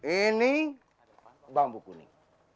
ini bambu kuning